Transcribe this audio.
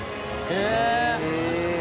へえ